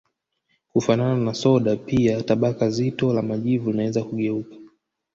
Kufanana na soda pia tabaka zito la majivu linaweza kugeuka